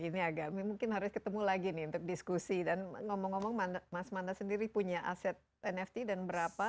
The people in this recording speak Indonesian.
ini agak mungkin harus ketemu lagi nih untuk diskusi dan ngomong ngomong mas manda sendiri punya aset nft dan berapa